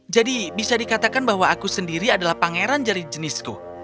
jadi bisa dikatakan bahwa aku sendiri adalah pangeran jari jenisku